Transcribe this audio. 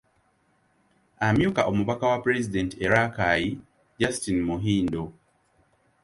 Amyuka omubaka wa Pulezidenti e Rakai Justine Muhindo.